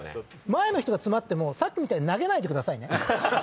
前の人が詰まってもさっきみたいに投げないでくださいね。